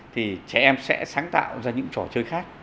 thì trẻ em sẽ sáng tạo ra những trò chơi khác